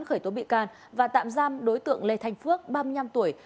khởi tố bị can và tạm giam đối tượng lê thanh phước ba mươi năm tuổi